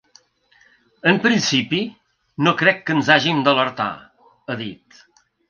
“En principi, no crec que ens hàgim d’alertar”, ha dit.